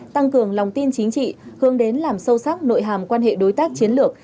tăng cường lòng tin chính trị hướng đến làm sâu sắc nội hàm quan hệ đối tác chiến lược